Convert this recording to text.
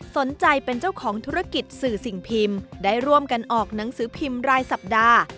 สนใจเป็นเจ้าของธุรกิจสื่อสิ่งพิมพ์ได้ร่วมกันออกหนังสือพิมพ์รายสัปดาห์